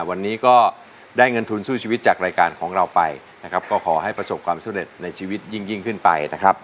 วันนี้ก็ได้เงินทุนสู้ชีวิตจากรายการของเราไปนะครับก็ขอให้ประสบความสำเร็จในชีวิตยิ่งขึ้นไปนะครับ